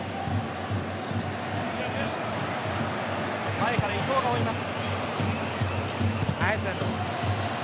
前から伊東が追います。